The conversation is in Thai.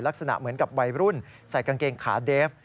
ลักษณะเหมือนกับวัยรุ่นใส่กางเกงขาเดฟ